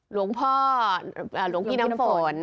หลวงพ่อหลวงพี่น้ำฝน